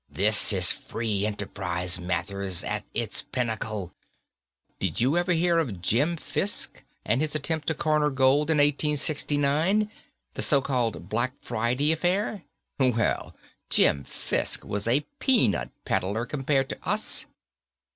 This is free enterprise, Mathers, at its pinnacle. Did you ever hear of Jim Fisk and his attempt to corner gold in 1869, the so called Black Friday affair? Well, Jim Fisk was a peanut peddler compared to us."